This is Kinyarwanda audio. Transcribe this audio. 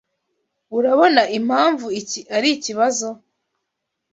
Urabona impamvu iki ari ikibazo?